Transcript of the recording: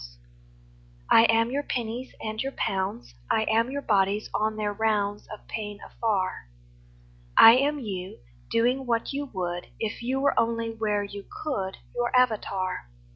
188 AUXILIARIES I am your pennies and your pounds; I am your bodies on their rounds Of pain afar; I am you, doing what you would If you were only where you could —■ Your avatar.